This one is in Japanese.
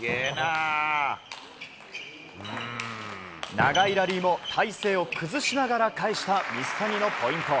長いラリーも体勢を崩しながら返した水谷のポイント。